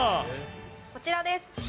こちらです。